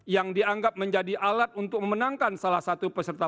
yang dianggap menjadi alat untuk memenangkan salah satu peserta